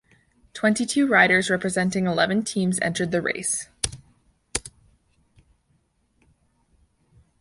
Twenty two riders representing eleven teams entered the race.